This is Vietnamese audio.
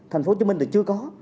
thành phố hồ chí minh thì chưa có